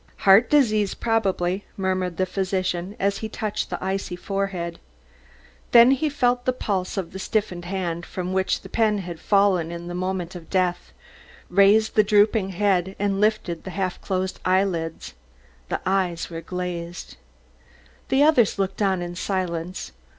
"Heart disease, probably," murmured the physician, as he touched the icy forehead. Then he felt the pulse of the stiffened hand from which the pen had fallen in the moment of death, raised the drooping head and lifted up the half closed eyelids. The eyes were glazed. The others looked on in silence.